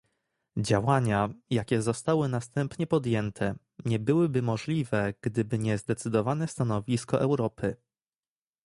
Działania, jakie zostały następnie podjęte, nie byłyby możliwe, gdyby nie zdecydowane stanowisko Europy